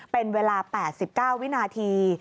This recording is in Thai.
เป็นเวลา๘๙วินาที